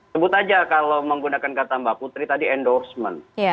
sebut aja kalau menggunakan kata mbak putri tadi endorsement